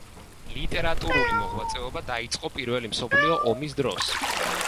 ლიტერატურული მოღვაწეობა დაიწყო პირველი მსოფლიო ომის დროს.